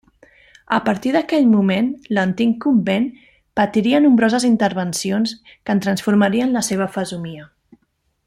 A partir d'aquell moment l'antic convent patiria nombroses intervencions que en transformarien la seva fesomia.